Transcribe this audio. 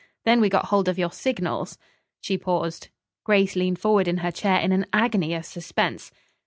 Then we got hold of your signals." She paused. Grace leaned forward in her chair in an agony of suspense.